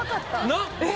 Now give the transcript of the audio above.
なっ？